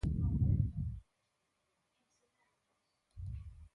¿Que di o ditame?